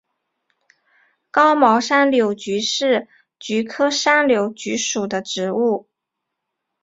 刚毛山柳菊是菊科山柳菊属的植物。